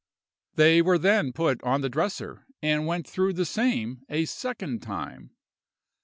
They were then put on the dresser, and went through the same a second time.